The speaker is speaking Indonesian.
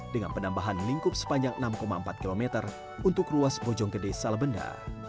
dengan penambahan lingkup sepanjang enam empat km untuk ruas bojonggede salabenda